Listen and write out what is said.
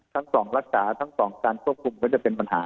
ทั้งสองรักษาทั้งสองการควบคุมก็จะเป็นปัญหา